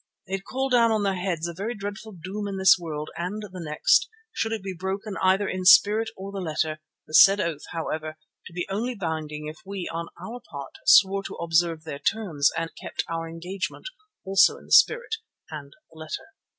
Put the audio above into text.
It called down on their heads a very dreadful doom in this world and the next, should it be broken either in the spirit or the letter; the said oath, however, to be only binding if we, on our part, swore to observe their terms and kept our engagement also in the spirit and the letter.